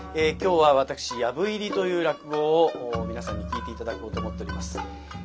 今日は私「藪入り」という落語を皆さんに聴いて頂こうと思っております。